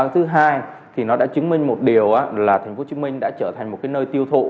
thứ hai thì nó đã chứng minh một điều là thành phố hồ chí minh đã trở thành một nơi tiêu thụ